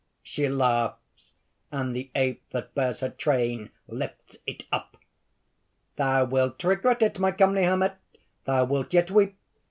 (She laughs, and the ape that bears her train, lifts it up.) "Thou wilt regret it, my comely hermit! thou wilt yet weep!